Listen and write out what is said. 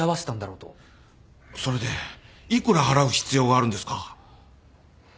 それで幾ら払う必要があるんですか？